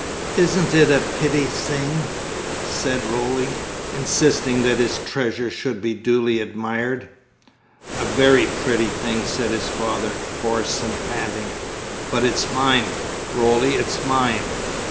"Isn't it a pitty sing?" said Roly, insisting that his treasure should be duly admired. "A very pretty thing," said his father, hoarse and panting; "but it's mine, Roly, it's mine!"